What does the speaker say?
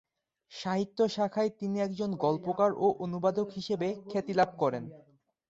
সাহিত্য শাখায় তিনি একজন গল্পকার ও অনুবাদক হিসেবে খ্যাতি লাভ করেন।